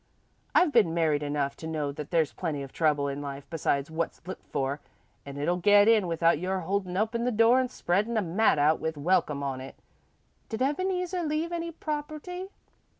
I've been married enough to know that there's plenty of trouble in life besides what's looked for, an' it'll get in, without your holdin' open the door an' spreadin' a mat out with 'Welcome' on it. Did Ebeneezer leave any property?"